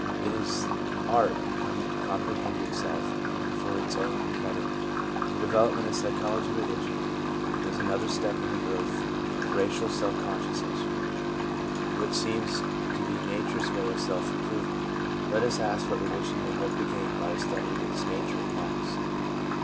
It is art coming to comprehend itself for its own betterment. The development of the psychology of religion is another step in the growth of racial self consciousness, which seems to be nature's way of self improvement. Let us ask what religion may hope to gain by a study of its nature and laws.